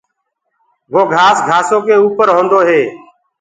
وو گھآس گھآسو ڪي اُپر هوندو هي۔